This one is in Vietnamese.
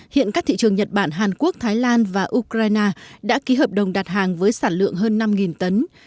hiện các thị trường nhật bản hàn quốc thái lan và ukraine đã ký hợp đồng đặt hàng với sản lượng hơn năm tấn